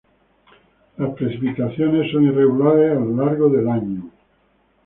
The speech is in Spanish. Las precipitaciones son irregulares a lo largo del año.